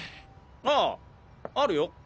あああるよ！